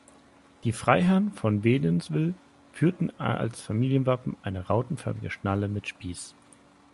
Die Freiherren von Wädenswil führten als Familienwappen eine rautenförmige Schnalle mit Spiess.